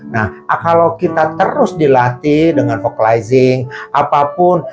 nah kalau kita terus dilatih dengan forklizing apapun